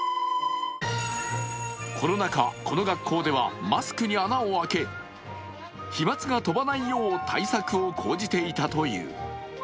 コロナ禍、この学校ではマスクに穴を開け飛まつが飛ばないよう対策を講じていたという。